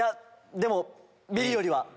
でもビリよりは。